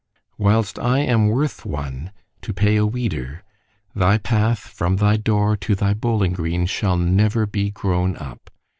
Whilst I am worth one, to pay a weeder—thy path from thy door to thy bowling green shall never be grown up.